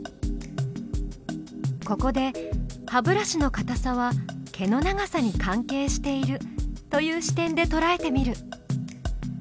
ここで「歯ブラシのかたさ」は「毛の長さ」に関係しているという視点でとらえてみる。